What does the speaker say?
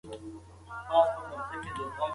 د ټولني د پرمختګ لپاره څېړنه اړینه ده.